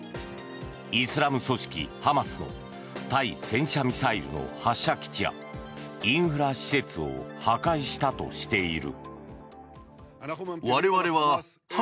イスラム組織ハマスの対戦車ミサイルの発射基地やインフラ施設を破壊したとしている。